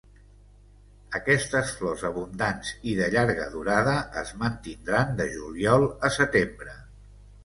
Aquestes flors abundants i de llarga durada es mantindran de juliol a setembre.